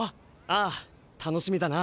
ああ楽しみだな！